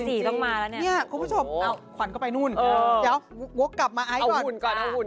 จริงต้องมาแล้วเนี่ยคุณผู้ชมเอ้าขวัญก็ไปนู่นเดี๋ยวโว๊คกลับมาไอจีก่อน